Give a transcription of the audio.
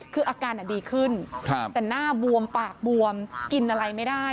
คืออาการดีขึ้นแต่หน้าบวมปากบวมกินอะไรไม่ได้